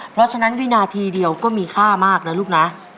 เพราะฉะนั้นวินาทีเดียวก็มีค่ามากนะลูกนะ